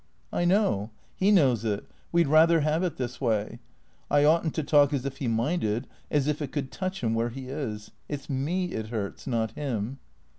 " I know. He knows it. We 'd rather have it this way. I ought n't to talk as if he minded, as if it could touch him where he is. It 's me it hurts, not him."